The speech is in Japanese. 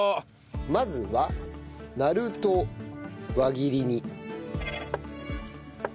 まずはなるとを輪切りに。